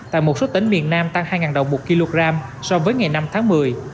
tại một số tỉnh miền nam tăng hai đồng một kg so với ngày năm tháng một mươi